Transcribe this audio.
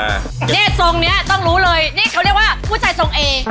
นี่ทรงเนี้ยต้องรู้เลยนี่เขาเรียกว่าผู้ชายทรงเอ